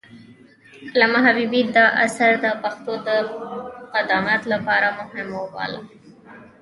علامه حبيبي دا اثر د پښتو د قدامت لپاره مهم وباله.